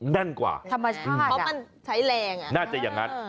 แน่นกว่าธรรมชาติเพราะมันใช้แรงน่าจะอย่างนั้น